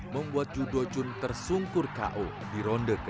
membuat joo dochoon tersungkur k o di ronde ke delapan